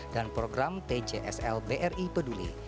dan program pjsl bri peduli